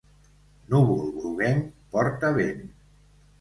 Núvol groguenc porta vent.